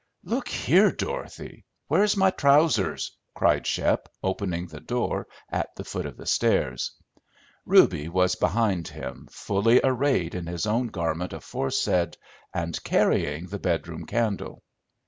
"Look here, Dorothy! Where's my trousers?" cried Shep, opening the door at the foot of the stairs. Reuby was behind him, fully arrayed in his own garment aforesaid, and carrying the bedroom candle.